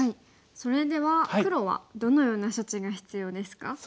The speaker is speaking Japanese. それでは黒はどのような処置が必要ですか？